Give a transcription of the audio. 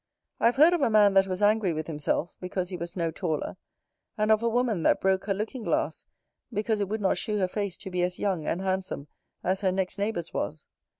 I have heard of a man that was angry with himself because he was no taller; and of a woman that broke her looking glass because it would not shew her face to be as young and handsome as her next neighbour's was.